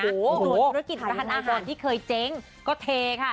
ตัวธุรกิจสรรภัณฑ์อาหารที่เคยเจ๊งก็เทค่ะ